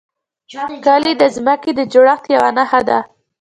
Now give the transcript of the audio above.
کلي د ځمکې د جوړښت یوه نښه ده.